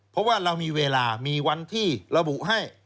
เพราะว่าเรามีเวลามีวันที่ระบุให้